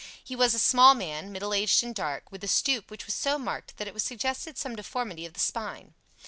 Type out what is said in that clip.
He was a small man, middle aged and dark, with a stoop which was so marked that it suggested some deformity of the spine.